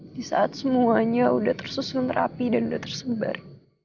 di saat semuanya udah tersusun rapi dan udah tersebar